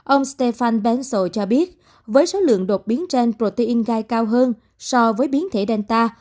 ông stefan bensel cho biết với số lượng đột biến trên protein gai cao hơn so với biến thể delta